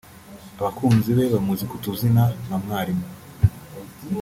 Abakunzi be bamuzi ku tuzina nka Mwalimu